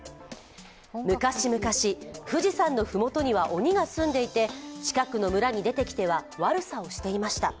昔々、富士山の麓には鬼が住んでいて、近くの村に出てきては悪さをしていました。